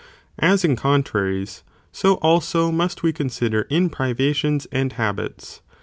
i As in contraries,'so also must we consider in privations and habits